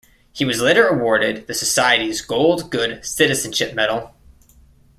He was later awarded the Society's Gold Good Citizenship Medal.